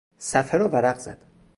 صفحه را ورق زد.